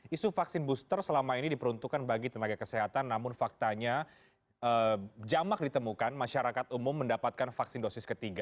isu vaksin booster selama ini diperuntukkan bagi tenaga kesehatan namun faktanya jamak ditemukan masyarakat umum mendapatkan vaksin dosis ketiga